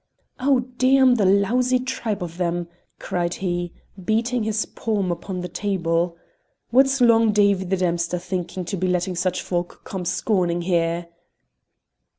"Oh, damn the lousy tribe of them!" cried he, beating his palm upon the table; "what's Long Davie the dempster thinking of to be letting such folk come scorning here?"